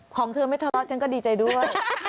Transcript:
ของเธอไม่ทะเลาะฉันก็ดีใจด้วย